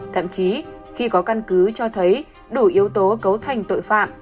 thậm chí khi có căn cứ cho thấy đủ yếu tố cấu thành tội phạm